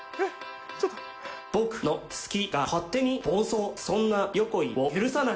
僕の好きが勝手に暴走、そんな横井を許さない。